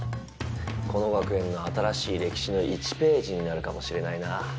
この学園の新しい歴史の１ページになるかもしれないな。